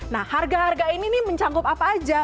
nah harga harga ini nih mencangkup apa aja